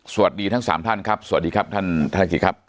สวัสดีทั้งสามท่านครับสวัสดีครับท่านธนกิจครับ